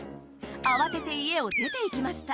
慌てて家を出ていきました